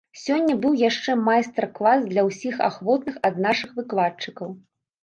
Сёння быў яшчэ майстар-клас для ўсіх ахвотных ад нашых выкладчыкаў.